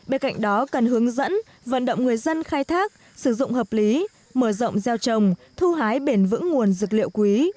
bên cạnh đó cần hướng dẫn vận động người dân khai thác sử dụng hợp lý mở rộng gieo trồng thu hái bền vững nguồn dược liệu quý